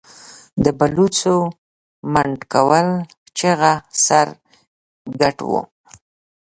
د پلوڅو، منډکول چغه سر، ګټ و